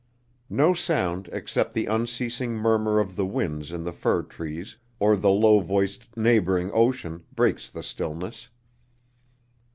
No sound except the unceasing murmur of the winds in the fir trees, or the low voiced neighboring ocean, breaks the stillness.